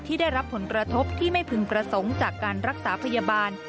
ได้รับผลกระทบที่ไม่พึงประสงค์จากการรักษาพยาบาล